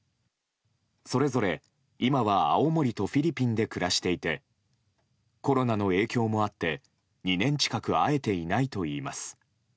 それぞれ今は青森とフィリピンで暮らしていてコロナの影響もあって２年近く会えていないといいます。